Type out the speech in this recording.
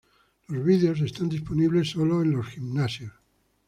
Los vídeos están disponibles solo en los gimnasios.